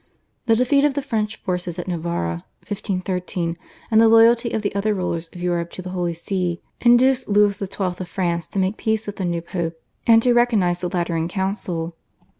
The defeat of the French forces at Novara (1513), and the loyalty of the other rulers of Europe to the Holy See induced Louis XII. of France to make peace with the new Pope, and to recognise the Lateran Council.